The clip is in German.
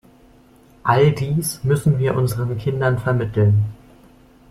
All dies müssen wir unseren Kindern vermitteln.